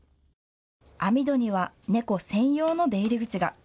網戸には猫専用の出入り口が。